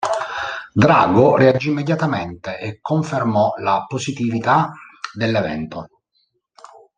Drago reagì immediatamente e confermò la positività dell'evento.